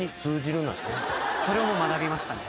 それを学びましたね。